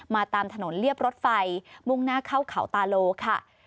ตามถนนเรียบรถไฟมุ่งหน้าเข้าเขาตาโลค่ะ